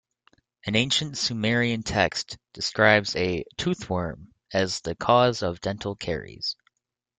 An ancient Sumerian text describes a "tooth worm" as the cause of dental caries.